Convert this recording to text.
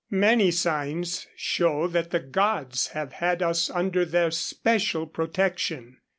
_Many signs show that the Gods have had us under their special protection.